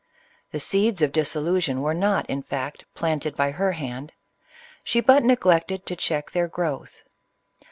The seeds of dissolution were not, in fact, planted by her hand, — she but neglected to check their growth.